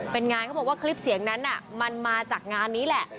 เป็นงานเขาบอกว่าคลิปเสียงนั้นมันมาจากงานนี้แหละ